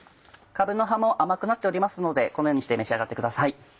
かぶの葉も甘くなっておりますのでこのようにして召し上がってください。